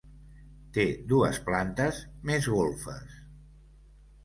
Té dues plantes més golfes.